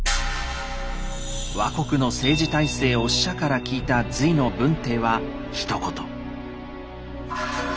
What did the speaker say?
倭国の政治体制を使者から聞いた隋の文帝はひと言。